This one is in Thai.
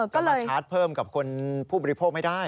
ก็มาชาร์จเพิ่มกับคนผู้บริโภคไม่ได้